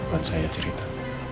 bukan saya cerita